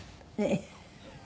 ええ。